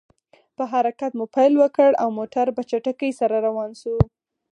په حرکت مو پیل وکړ، او موټر په چټکۍ سره روان شو.